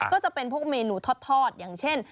ก็จะเป็นพวกเมนูทอดอย่างเช่น